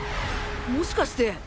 もしかして。